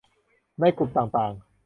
ในกลุ่มต่างต่าง